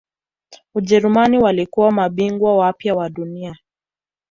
ujerumani walikuwa mabingwa wapya wa dunia